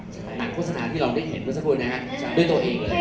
ทางโฆษณาที่เราได้เห็น